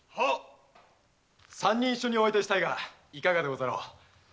三人一緒にお相手したいがいかがです？